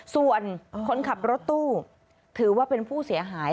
ส่วนคนขับรถตู้ถือว่าเป็นผู้เสียหาย